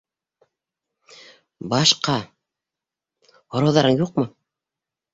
- Башҡа... һорауҙарың юҡмы?